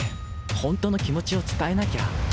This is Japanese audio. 本当の気持ちを伝えなきゃ。